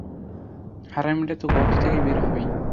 হারামিটা তো গর্ত থেকে বের হবেই।